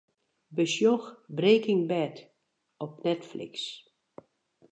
Besjoch 'Breaking Bad' op Netflix.